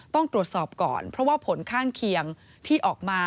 ต้องตรวจสอบก่อนเพราะว่าผลข้างเคียงที่ออกมา